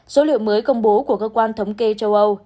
số liệu mới công bố của cơ quan thống kê châu âu